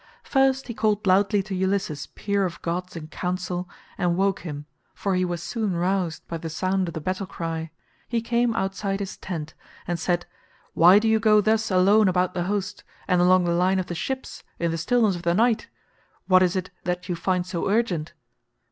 First he called loudly to Ulysses peer of gods in counsel and woke him, for he was soon roused by the sound of the battle cry. He came outside his tent and said, "Why do you go thus alone about the host, and along the line of the ships in the stillness of the night? What is it that you find so urgent?"